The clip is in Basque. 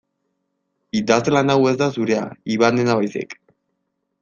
Idazlan hau ez da zurea Ivanena baizik.